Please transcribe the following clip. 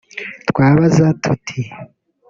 twabaza tuti